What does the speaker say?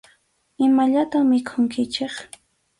Imallatam mikhunkichik.